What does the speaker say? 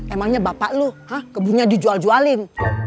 emangnya bapak lu kebunnya dijual jualin